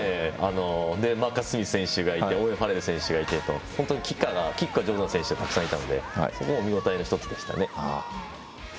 マーカス・スミス選手がいてオーウェン・ファレル選手がいて本当にキック打てる選手がたくさんいたのでそこも見応えの一つでしたね。